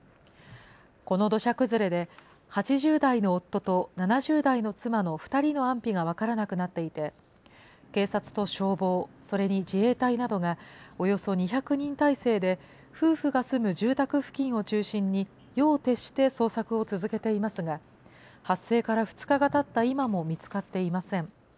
この土砂崩れで、８０代の夫と７０代の妻の２人の安否が分からなくなっていて、警察と消防、それに自衛隊などが、およそ２００人態勢で、夫婦が住む住宅付近を中心に、夜を徹して捜索を続けていますが、発生から２日がたった今も見つかっていません。